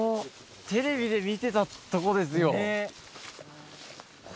テレビで見てた所ですよ。